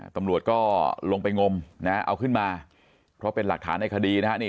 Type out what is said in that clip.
ตำรวจก็ลงไปงมนะเอาขึ้นมาเพราะเป็นหลักฐานในคดีนะฮะ